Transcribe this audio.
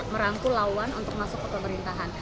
merangkul lawan untuk masuk ke pemerintahan